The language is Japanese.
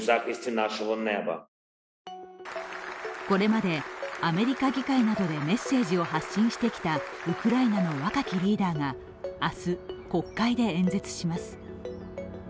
これまでアメリカ議会などでメッセージを発信してきたウクライナの若きリーダーが明日、国会で演説します。